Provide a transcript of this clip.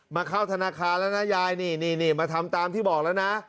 มาเข้าธนาคารแล้วนะยายนี่มาทำตามที่บอกแล้วนะ